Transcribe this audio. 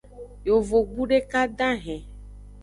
Yovogbu deka dahen.